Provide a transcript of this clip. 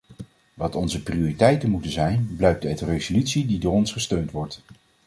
Wat onze prioriteiten moeten zijn blijkt uit de resolutie die door ons gesteund wordt.